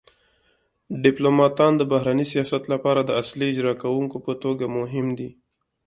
ډیپلوماتان د بهرني سیاست لپاره د اصلي اجرا کونکو په توګه مهم دي